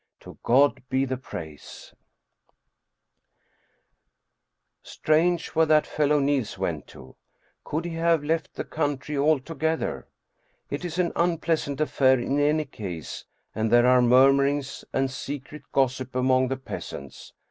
To God be the praise ! Strange, where that fellow Niels went to! Could he have left the country altogether? It is an unpleasant af fair in any case, and there are murmurings and secret gos sip among the peasants.